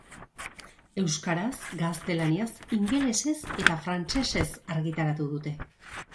Euskaraz, gaztelaniaz, ingelesez eta frantsesez argitaratu dute.